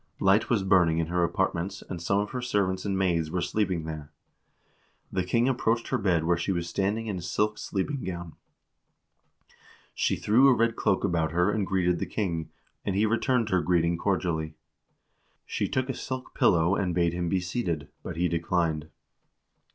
Light was burning in her apartments, and some of her servants and maids were sleep ing there. The king approached her bed where she was standing in a silk sleeping gown. She threw a red cloak about her and greeted the king, and he returned her greeting cordially. She took a silk pillow and bade him be seated, but he declined.